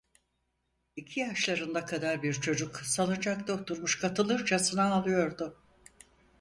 İki yaşlarında kadar bir çocuk salıncakta oturmuş katılırcasına ağlıyordu.